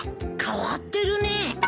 変わってるね。